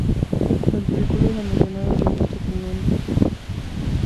Donde vincula a la mencionada revista con la Quinta columna, movimiento mexicano pro nazi.